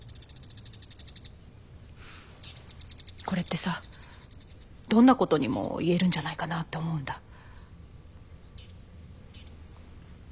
これってさどんなことにも言えるんじゃないかなって思うんだ。